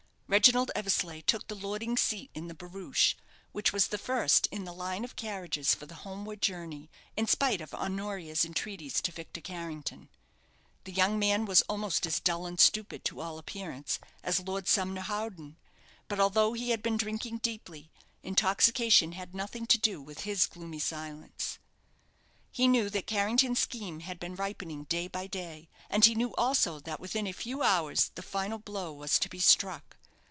Reginald Eversleigh took the lordling's seat in the barouche, which was the first in the line of carriages for the homeward journey, in spite of Honoria's entreaties to Victor Carrington. The young man was almost as dull and stupid, to all appearance, as Lord Sumner Howden; but, although he had been drinking deeply, intoxication had nothing to do with his gloomy silence. He knew that Carrington's scheme had been ripening day by day; and he knew also that within a few hours the final blow was to be struck.